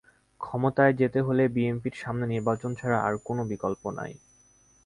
ক্ষমতায় যেতে হলে বিএনপির সামনে নির্বাচন ছাড়া আর কোনো বিকল্প নেই।